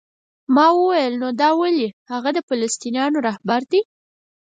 ما وویل: نو دا ولې؟ هغه د فلسطینیانو رهبر دی؟